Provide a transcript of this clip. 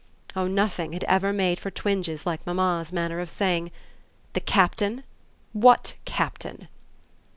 Oh nothing had ever made for twinges like mamma's manner of saying: "The Captain? What Captain?"